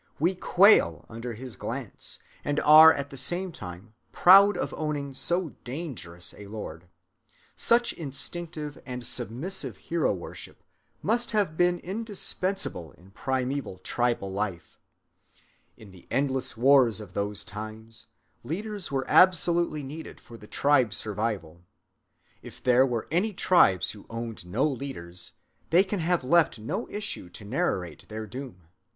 We quail under his glance, and are at the same time proud of owning so dangerous a lord. Such instinctive and submissive hero‐ worship must have been indispensable in primeval tribal life. In the endless wars of those times, leaders were absolutely needed for the tribe's survival. If there were any tribes who owned no leaders, they can have left no issue to narrate their doom.